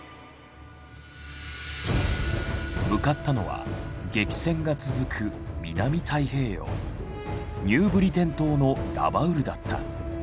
向かったのは激戦が続く南太平洋ニューブリテン島のラバウルだった。